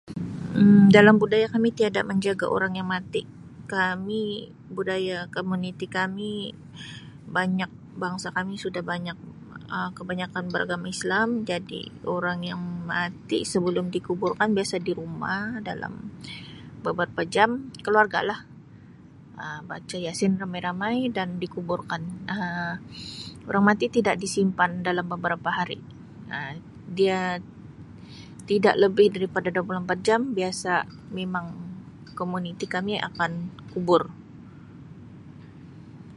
Um Dalam budaya kami tiada menjaga orang yang mati kami budaya komuniti kami banyak bangsa kami sudah banyak Um kebanyakan beragama islam jadi orang yang mati sebelum dikuburkan biasa di rumah dalam beberapa jam keluarga lah Um baca Yasin ramai-ramai dan dikuburkan Um orang mati tidak disimpan dalam beberapa hari Um dia tidak lebih dari dua puluh empat jam biasa memang komuniti kami akan kubur.